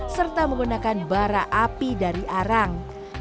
serta menggunakan bara api dari arang